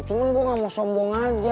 cuman gue gak mau sombong aja